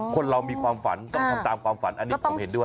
คนเรามีความฝันต้องทำตามความฝันอันนี้ผมเห็นด้วย